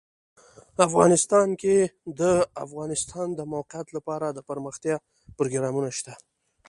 افغانستان کې د د افغانستان د موقعیت لپاره دپرمختیا پروګرامونه شته.